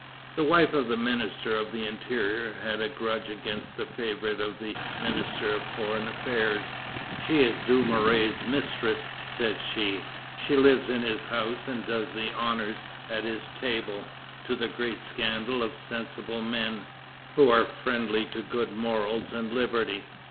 The wife of the Minister of the Interior had a grudge against the favorite of the Minister of Foreign Affairs. "She is Dumouriez's mistress," said she; "she lives in his house and does the honors at his table, to the great scandal of sensible men, who are friendly to good morals and liberty.